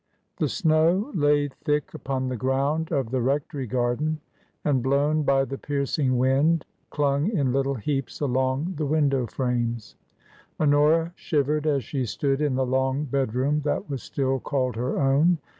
The snow lay thick upon the ground of the rectory garden and, blown by the piercing wind, clung in little heaps along the window frames. Honora shivered as she stood in the long bedroom that was still called her own.